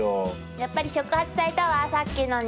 やっぱり触発されたわさっきのに。